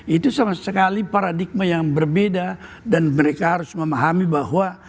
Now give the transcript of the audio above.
itu sama sekali paradigma yang berbeda dan mereka harus memahami bahwa